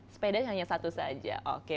sepeda hanya satu saja